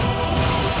aku akan menang